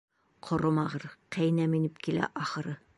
Ҡоромағыр, ҡәйнәм инеп килә, ахыры.